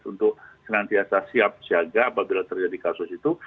untuk senantiasa siap siaga apabila terjadi kasus itu